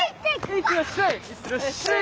いってらっしゃい！